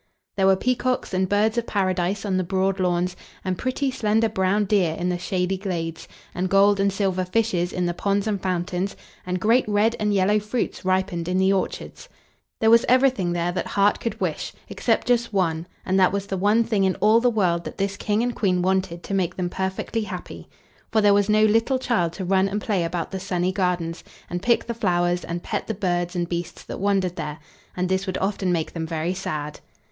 There were peacocks and birds of paradise on the broad lawns, and pretty slender brown deer in the shady glades, and gold and silver fishes in the ponds and fountains, and great red and yellow fruits ripened in the orchards. There was everything there that heart could wish except just one, and that was the one thing in all the world that this King and Queen wanted to make them perfectly happy. For there was no little child to run and play about the sunny gardens and pick the flowers, and pet the birds and beasts that wandered there. And this would often make them very sad.